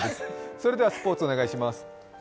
それではスポーツお願いします。